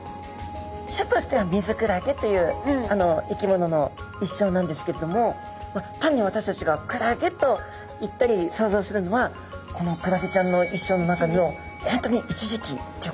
種としてはミズクラゲという生き物の一生なんですけれども単に私たちがクラゲといったり想像するのはこのクラゲちゃんの一生の中でも本当に一時期ということなんですね。